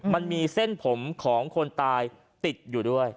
มันมีเส้นผมของคนตายติดอยู่ด้วย